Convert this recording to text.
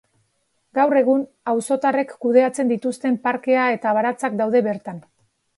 Gaur egun, auzotarrek kudeatzen dituzten parkea eta baratzak daude bertan.